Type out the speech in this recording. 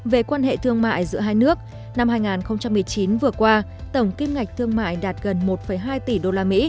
về quan hệ thương mại giữa hai nước năm hai nghìn một mươi chín vừa qua tổng kim ngạch thương mại đạt gần một hai tỷ usd